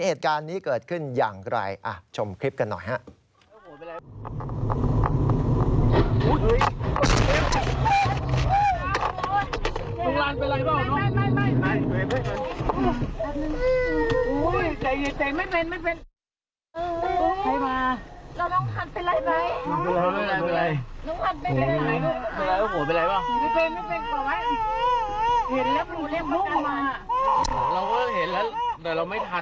เหตุการณ์นี้เกิดขึ้นอย่างไรชมคลิปกันหน่อยฮะ